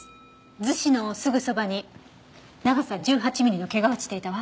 厨子のすぐそばに長さ１８ミリの毛が落ちていたわ。